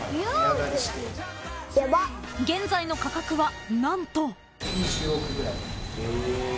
［現在の価格は何と］